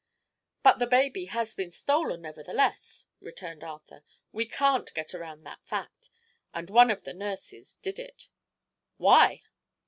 "But the baby has been stolen, nevertheless," returned Arthur; "we can't get around that fact. And one of the nurses did it" "Why?"